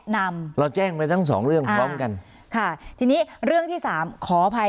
นำเราแจ้งไปทั้งสองเรื่องพร้อมกันค่ะทีนี้เรื่องที่สามขออภัย